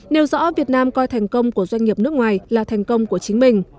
nêu rõ việt nam coi thành công của doanh nghiệp nước ngoài là thành công của chính mình